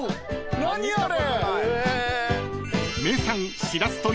何あれ。